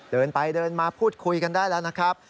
เดินไปเดินมาพูดคุยกันได้แล้วนะครับ